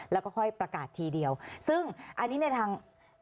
แล้วก็ค่อยประกาศทีเดียวซึ่งอันนี้ในทาง